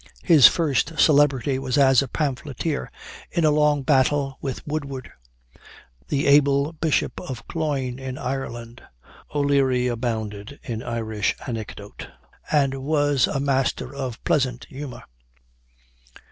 His first celebrity was as a pamphleteer, in a long battle with Woodward, the able Bishop of Cloyne, in Ireland. O'Leary abounded in Irish anecdote, and was a master of pleasant humor.